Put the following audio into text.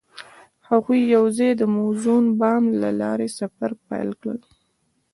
هغوی یوځای د موزون بام له لارې سفر پیل کړ.